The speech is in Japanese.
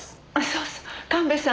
そうそう神戸さん。